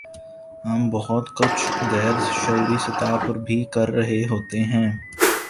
ہم بہت کچھ غیر شعوری سطح پر بھی کر رہے ہوتے ہیں۔